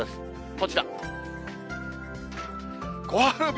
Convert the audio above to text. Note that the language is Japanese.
こちら。